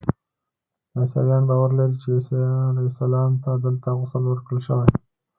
عیسویان باور لري چې عیسی علیه السلام ته دلته غسل ورکړل شوی.